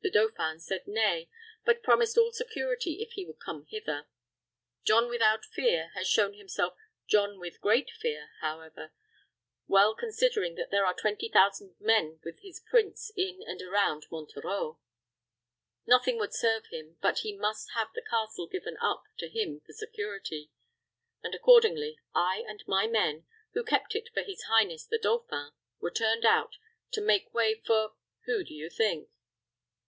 The dauphin said nay, but promised all security if he would come hither. John without Fear has shown himself John with great Fear, however, well considering that there are twenty thousand men with his prince in and around Monterreau. Nothing would serve him but he must have the castle given up to him for security; and, accordingly, I and my men, who kept it for his highness the dauphin, were turned out, to make way for who do you think?"